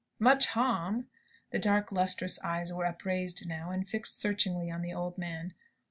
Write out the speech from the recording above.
"Much harm?" The dark lustrous eyes were upraised now, and fixed searchingly on the old man.